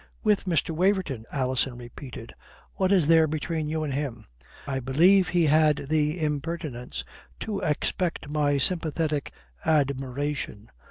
"With Mr. Waverton?" Alison repeated. "What is there between you and him?" "I believe he had the impertinence to expect my sympathetic admiration.